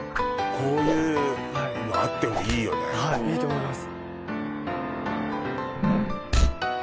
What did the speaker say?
こういうのあってもいいよねいいと思います